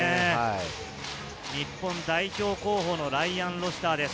日本代表のライアン・ロシターです。